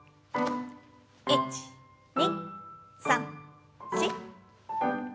１２３４。